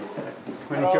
こんにちは。